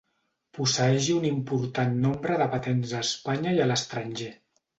Posseeix un important nombre de patents a Espanya i a l'estranger.